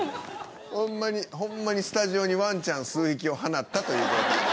ホンマにホンマにスタジオにワンちゃん数匹を放ったという状態です。